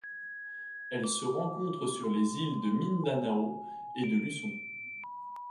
Elle se rencontre sur les îles de Mindanao et de Luçon.